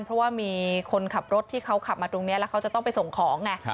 เพราะว่ามีคนขับรถที่เขาขับมาตรงนี้แล้วเขาจะต้องไปส่งของไง